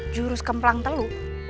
jurus kemplang telu